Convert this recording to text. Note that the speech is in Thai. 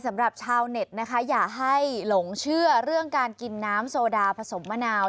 สำหรับชาวเน็ตนะคะอย่าให้หลงเชื่อเรื่องการกินน้ำโซดาผสมมะนาว